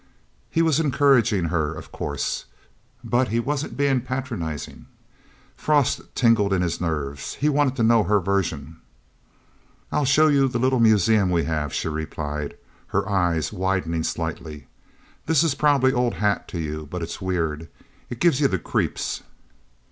He was encouraging her, of course. But he wasn't being patronizing. Frost tingled in his nerves. He wanted to know her version. "I'll show you the little museum we have," she replied, her eyes widening slightly. "This is probably old hat to you but it's weird it gives you the creeps..."